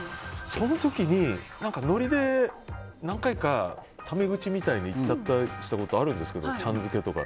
その時にノリで何回かタメ口みたいに言っちゃったりしたことあるんですけど、ちゃん付けとか。